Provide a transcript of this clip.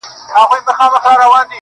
د بشريت له روحه وباسه ته,